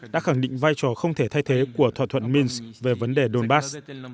đã khẳng định vai trò không thể thay thế của thỏa thuận minsk về vấn đề donbass